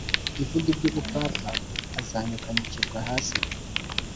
ivuga iby ubupfapfa azanyukanyukirwa hasi